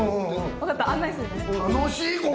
分かった案内するね。